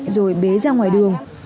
rồi bế ra ngoài đường